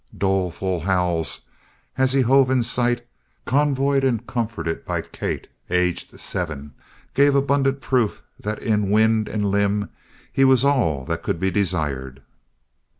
Doleful howls, as he hove in sight, convoyed and comforted by Kate, aged seven, gave abundant proof that in wind and limb he was all that could be desired.